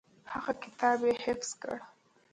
هغه کتاب یې حفظ کړ.